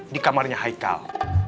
di kamarnya heikal